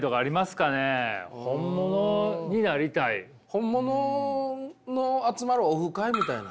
本物の集まるオフ会みたいな。